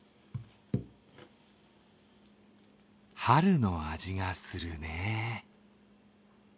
春の味がするね。